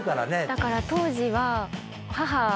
だから当時は母。